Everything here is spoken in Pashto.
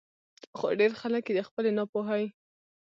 خو ډېر خلک ئې د خپلې نا پوهۍ